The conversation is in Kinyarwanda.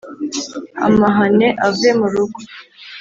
amahane ave mu rugo